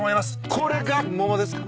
これが桃ですか？